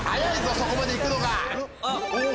そこまで行くのが。